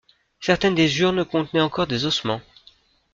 Certaines des urnes contenaient encore des ossements.